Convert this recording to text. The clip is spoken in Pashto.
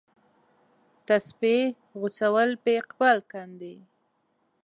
تسپې غوڅول په اقبال کاندي.